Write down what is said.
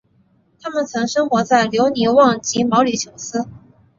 它们曾生活在留尼旺及毛里裘斯。